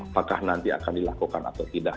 apakah nanti akan dilakukan atau tidak